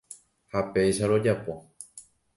Ha péicha rojapo.